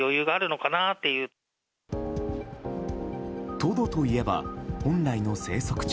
トドといえば、本来の生息地